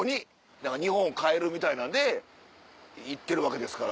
日本を変えるみたいなので行ってるわけですから。